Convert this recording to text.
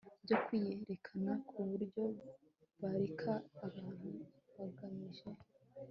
byo kwiyerekana ku buryo bararika abantu bagamije